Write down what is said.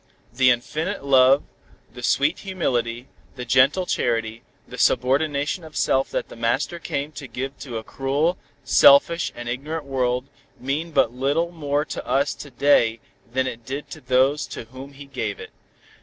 The infinite love, the sweet humility, the gentle charity, the subordination of self that the Master came to give a cruel, selfish and ignorant world, mean but little more to us to day than it did to those to whom He gave it."